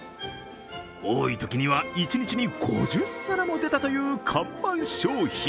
多いときには一日に５０皿も出たという看板商品。